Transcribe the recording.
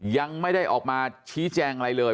ยังไม่ได้ออกมาชี้แจงอะไรเลย